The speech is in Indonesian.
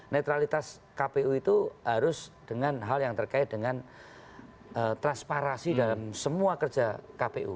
netralitas kpu itu harus dengan hal yang terkait dengan transparansi dalam semua kerja kpu